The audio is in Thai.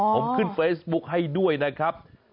ผมขึ้นเฟซบุ๊คให้ด้วยนะครับ